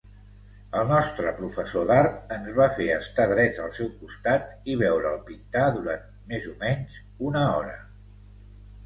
El nostre professor d'art ens va fer estar drets al seu costat i veure'l pintar durant més o menys una hora.